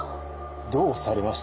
どうされました？